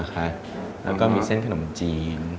แล้วก็มีเส้นขนมจีน